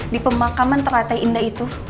di pemakaman teratai indah itu